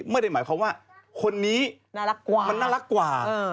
ไม่ได้หมายความว่าคนนี้มันน่ารักกว่า